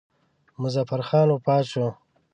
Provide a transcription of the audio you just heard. مظفر خان وفات شو.